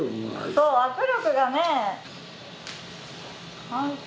そう握力がね。